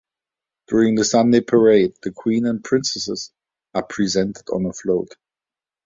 During the Sunday parade, the queen and princesses are presented on a float.